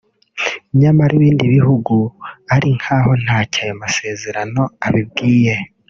nyamara ibindi bihugu ari nk’aho ntacyo ayo masezerano abibwiye